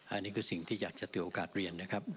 อันนี้คือสิ่งที่อยากจะถือโอกาสเรียนนะครับ